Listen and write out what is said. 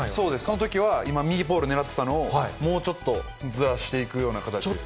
そのときは、今、右ポールを狙っていたのを、もうちょっとずらしていくような形ですね。